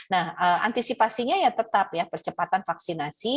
nah antisipasinya ya tetap ya percepatan vaksinasi